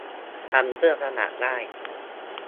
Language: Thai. ทำเครื่องประดับได้